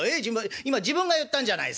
今自分が言ったんじゃない。